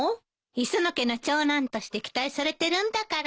磯野家の長男として期待されてるんだから。